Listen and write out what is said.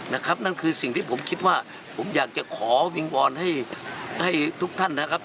นั่นคือสิ่งที่ผมคิดว่าผมอยากจะขอวิงวอนให้ให้ทุกท่านนะครับ